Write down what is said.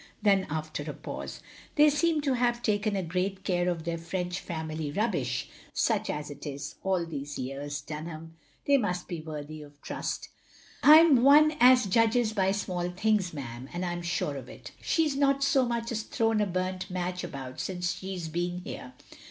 Then, after a pause, "They seem to have taken a great care of their French OP GROSVENOR SQUARE 49 family rubbish, such as it is, all these years, Dunham. They must be worthy of trust." " I 'm one as judges by small things, ma'am, and I 'm sure of it. She 's not so much as thrown a btimt match about since she 's been here.